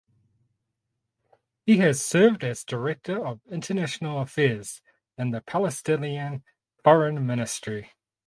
He has served as Director of International Affairs in the Palestinian Foreign Ministry.